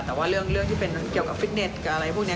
แต่ว่าเรื่องที่เป็นเกี่ยวกับฟิตเน็ตกับอะไรพวกนี้